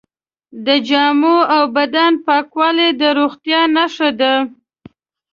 د جامو او بدن پاکوالی د روغتیا نښه ده.